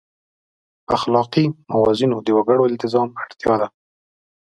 په اخلاقي موازینو د وګړو التزام اړتیا ده.